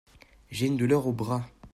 J’ai une douleur au bras.